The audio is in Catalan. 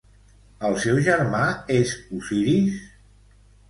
El seu germà és Osiris?